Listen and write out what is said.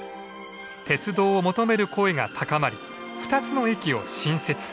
鉄道を求める声が高まり２つの駅を新設。